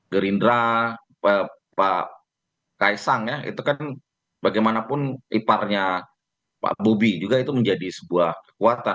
gerindra pak kaisang ya itu kan bagaimanapun iparnya pak bobi juga itu menjadi sebuah kekuatan